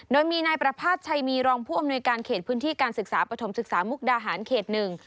โดยมีนายประภาษณ์ชัยมีรองผู้อำนวยการเขตพื้นที่การศึกษาปฐมศึกษามุกดาหารเขตหนึ่ง